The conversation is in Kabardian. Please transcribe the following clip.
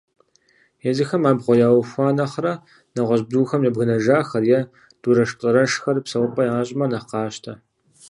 Езыхэм абгъуэ яухуэ нэхърэ, нэгъуэщӀ бзухэм ябгынэжахэр е дурэшплӀэрэшхэр псэупӀэ ящӀмэ нэхъ къащтэ.